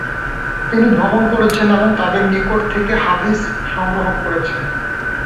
তিনি ভ্রমণ করেছেন এবং তাদের নিকট থেকে হাদীছ সংগ্রহ করেছেন।